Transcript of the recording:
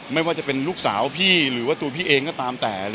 ไม่ว่าจะเป็นลูกสาวพี่หรือว่าตัวพี่เองก็ตามแต่